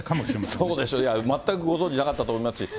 そうでしょう、まあ、全くご存じなかったと思いますし。